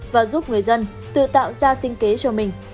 và giúp người dân tự tạo ra sinh kế cho mình